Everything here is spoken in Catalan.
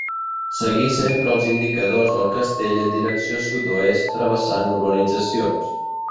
Seguir sempre els indicadors del castell en direcció sud-oest travessant urbanitzacions.